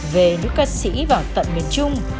về nữ ca sĩ vào tận miền trung